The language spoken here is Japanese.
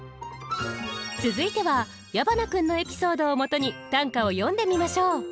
続いては矢花君のエピソードをもとに短歌を詠んでみましょう。